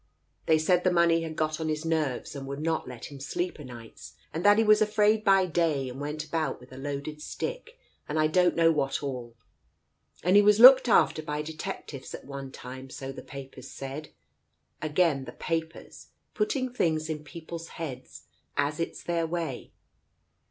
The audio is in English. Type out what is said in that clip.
They said the money had got on his nerves, and would not let him sleep o' nights, and that he was afraid by day and went about with a loaded stick and I don't know what all. And he was looked after by detec tives, at one time, so the papers said — again the papers, putting things in people's heads, as it's their way.